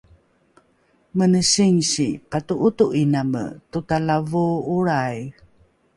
mene singsi pato’oto’iname totalavoo’olrai